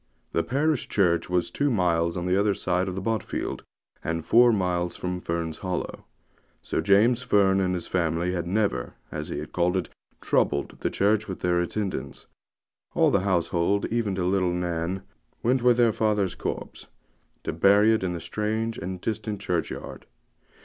The parish church was two miles on the other side of Botfield, and four miles from Fern's Hollow; so James Fern and his family had never, as he called it, 'troubled' the church with their attendance. All the household, even to little Nan, went with their father's corpse, to bury it in the strange and distant churchyard.